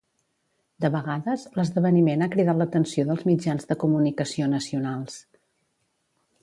De vegades, l'esdeveniment ha cridat l'atenció dels mitjans de comunicació nacionals.